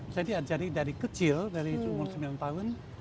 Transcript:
saya diajari dari kecil dari umur sembilan tahun